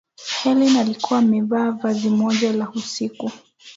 helen alikuwa amevaa vazi moja la usiku